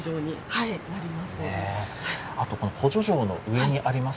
あと、補助錠の上にあります